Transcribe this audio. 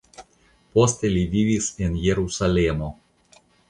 Poste li vivis en Jerusalemo.